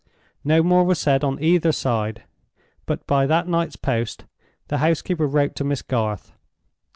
No more was said on either side, but by that night's post the housekeeper wrote to Miss Garth.